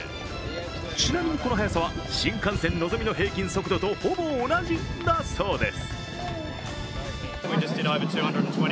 ちなみにこの速さは新幹線のぞみの平均速度とほぼ同じだそうです。